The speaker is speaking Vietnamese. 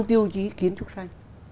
năm tiêu chí kiến trúc xanh